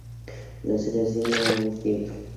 La solución era muy simple.